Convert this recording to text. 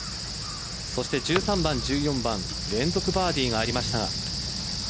そして１３番、１４番連続バーディーがありました。